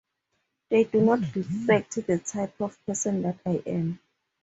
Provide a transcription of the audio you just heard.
They do not reflect the type of person that I am.